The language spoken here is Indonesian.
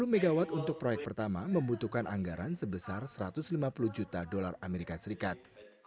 sepuluh mw untuk proyek pertama membutuhkan anggaran sebesar satu ratus lima puluh juta dolar amerika serikat